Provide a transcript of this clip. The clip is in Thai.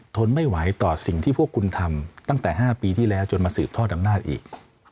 ทนไม่ไหวต่อสิ่งที่พวกคุณทำตั้งแต่๕ปีที่แล้วจนมาสืบทอดอำนาจอีก